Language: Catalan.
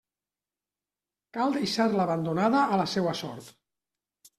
Cal deixar-la abandonada a la seua sort.